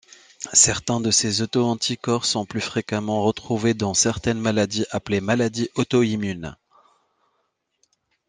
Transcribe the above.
Certains de ces auto-anticorps sont plus fréquemment retrouvés dans certaines maladies appelées maladie auto-immune.